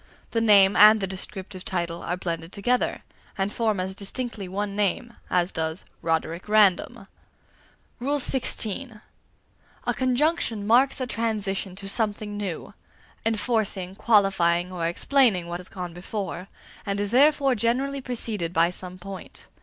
The name and the descriptive title are blended together, and form as distinctly one name as does "Roderick Random." XVI. A conjunction marks a transition to something new enforcing, qualifying, or explaining, what has gone before, and is therefore generally preceded by some point.